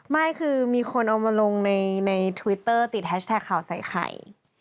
ไม่คือมีคนเอามาลงในทวิตเตอร์ติดแฮชแท็กข่าวใส่ไข่